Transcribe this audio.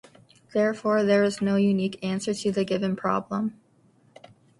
Therefore, there is no unique answer to the given problem.